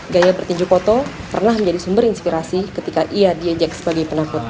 gaya bertinju foto pernah menjadi sumber inspirasi ketika ia diejek sebagai penakut